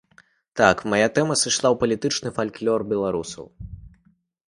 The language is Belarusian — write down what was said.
Так мая тэма сышла ў палітычны фальклор беларусаў.